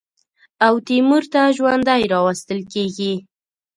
او تیمور ته ژوندی راوستل کېږي.